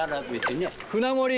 舟盛り。